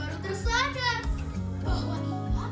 weli baru tersadar